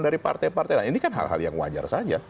dari partai partai nah ini kan hal hal yang wajar saja